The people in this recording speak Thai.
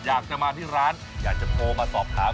อยากจะมาที่ร้านอยากจะโทรมาสอบถาม